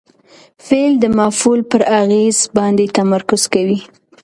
فعل د مفعول پر اغېز باندي تمرکز کوي.